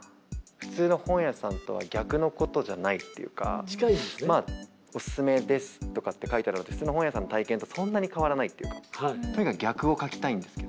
普通の本屋さんとは逆のことじゃないっていうかおすすめですとかって書いてあるのって普通の本屋さんの体験とそんなに変わらないっていうかとにかく逆を書きたいんですけど。